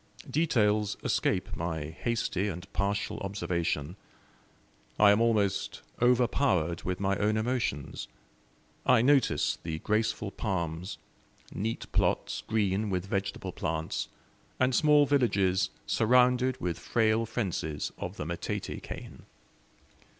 Details escape my hasty and partial observation. I am almost overpowered with my own emotions. I notice the graceful palms, neat plots, green with vegetable plants, and small villages surrounded with frail fences of the matete cane.